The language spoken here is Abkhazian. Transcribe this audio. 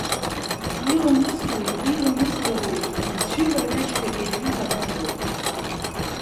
Иламысуи иламысдароуи рцәеилаҩашьо иахьалагазоуп.